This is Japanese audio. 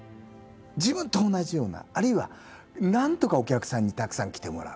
自分と同じようなあるいはなんとかお客さんにたくさん来てもらう。